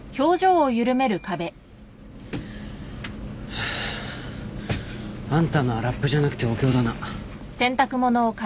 ハァ。あんたのはラップじゃなくてお経だな。